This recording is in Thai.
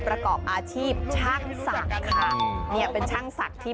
ประกอบอาชีพชั่งศักดิ์ค่ะ